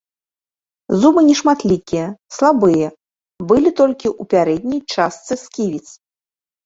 Зубы нешматлікія, слабыя, былі толькі ў пярэдняй частцы сківіц.